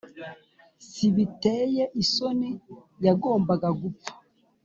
sbiteye isoni yagombaga gupfa